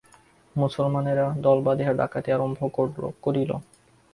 মুসলমানেরা দল বাঁধিয়া ডাকাতি আরম্ভ করিল।